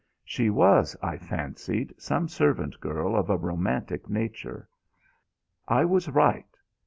She was, I fancied, some servant girl of a romantic nature. I was right.